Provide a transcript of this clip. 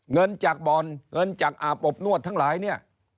เงินจากบ่อนเงินจากอาบอบนวดทั้งหลายเนี่ย